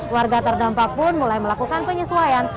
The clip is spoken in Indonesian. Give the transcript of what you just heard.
warga terdampak pun mulai melakukan penyesuaian